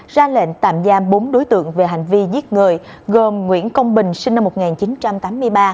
ra lệnh tạm giam bốn đối tượng về hành vi giết người gồm nguyễn công bình sinh năm một nghìn chín trăm tám mươi ba